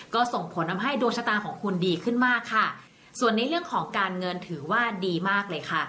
ก็ส่งผลทำให้ดวงชะตาของคุณดีขึ้นมากค่ะส่วนในเรื่องของการเงินถือว่าดีมากเลยค่ะ